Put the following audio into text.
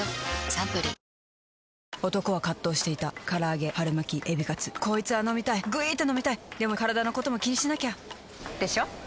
サントリー男は葛藤していた唐揚げ春巻きエビカツこいつぁ飲みたいぐいーーっと飲みたいでもカラダのことも気にしなきゃ！でしょ？